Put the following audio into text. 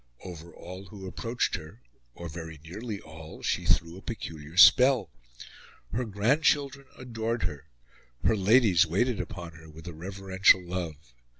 Over all who approached her or very nearly all she threw a peculiar spell. Her grandchildren adored her; her ladies waited upon her with a reverential love.